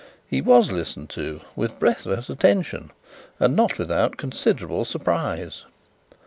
He was listened to with breathless attention, and not without considerable surprise.